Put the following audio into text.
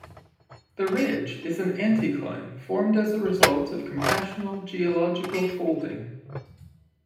The ridge is an anticline, formed as a result of compressional geological folding.